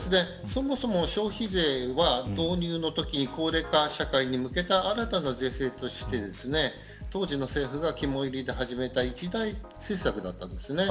そもそも消費税は高齢化社会に向けた新たな税制として当時の政府が肝いりで始めた一大政策だったんですね。